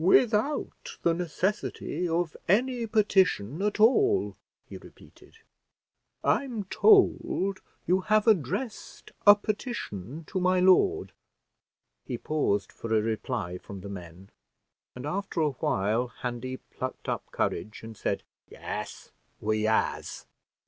"Without the necessity of any petition at all," he repeated. "I'm told you have addressed a petition to my lord." He paused for a reply from the men, and after a while, Handy plucked up courage and said, "Yes, we has."